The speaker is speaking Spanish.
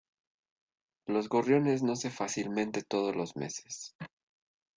Los Gorriones no se f-acilmente todos los meses.